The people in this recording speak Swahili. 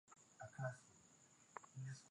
kusikiliza rfi kiswahili